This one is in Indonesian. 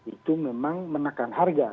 itu memang menekan harga